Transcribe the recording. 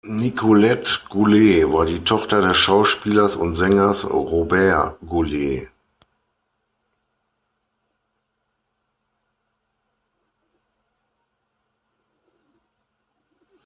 Nicolette Goulet war die Tochter des Schauspielers und Sängers Robert Goulet.